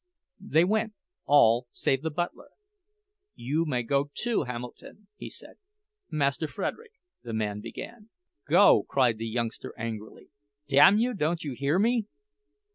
They went, all save the butler. "You may go too, Hamilton," he said. "Master Frederick—" the man began. "Go!" cried the youngster, angrily. "Damn you, don't you hear me?"